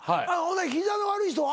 膝の悪い人は？